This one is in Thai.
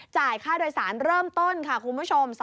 จ่ายค่าโดยสารเริ่มต้นค่ะคุณผู้ชม